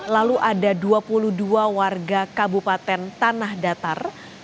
lalu ada dua puluh dua warga kabupaten tanah datar